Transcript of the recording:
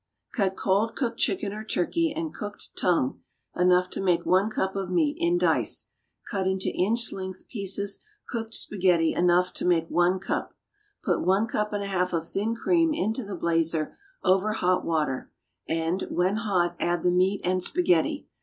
_) Cut cold cooked chicken or turkey and cooked tongue (enough to make one cup of meat) in dice; cut into inch length pieces cooked spaghetti enough to make one cup. Put one cup and a half of thin cream into the blazer over hot water, and, when hot, add the meat and spaghetti.